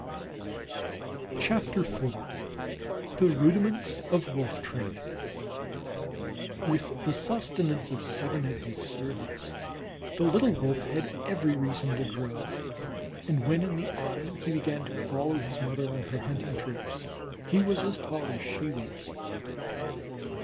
IV THE RUDIMENTS OF WOLF TRAINING With the sustenance of seven at his service the little Wolf had every reason to grow, and when in the autumn he began to follow his mother on her hunting trips he was as tall as she was.